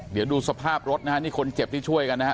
เดี๋ยวดูสภาพรถนะฮะนี่คนเจ็บที่ช่วยกันนะฮะ